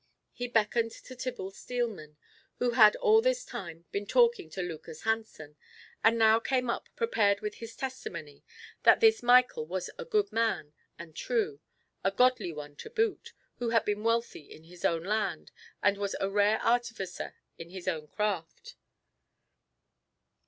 He beckoned to Tibble Steelman, who had all this time been talking to Lucas Hansen, and now came up prepared with his testimony that this Michael was a good man and true, a godly one to boot, who had been wealthy in his own land and was a rare artificer in his own craft.